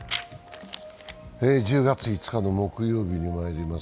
１０月５日の木曜日にまいります。